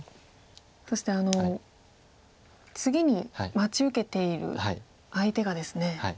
そして次に待ち受けている相手がですね